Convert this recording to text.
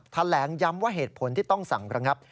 แถลงย้ำว่าเหตุผลที่ต้องสั่งระงับ